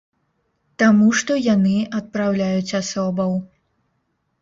Таму што яны адпраўляюць асобаў.